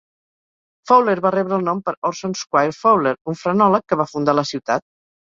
Fowler va rebre el nom per Orson Squire Fowler, un frenòleg que va fundar la ciutat.